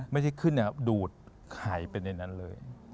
ไม่ได้ขึ้นดูดหายไปในนั้นเลย